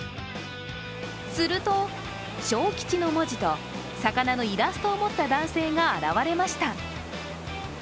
すると、小吉の文字と魚のイラストを持った男性が現れました。